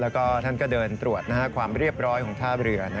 แล้วก็ท่านก็เดินตรวจความเรียบร้อยของท่าเรือ